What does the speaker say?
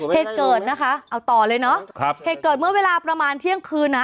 เหตุเกิดนะคะเอาต่อเลยเนาะเหตุเกิดเมื่อเวลาประมาณเที่ยงคืนนะ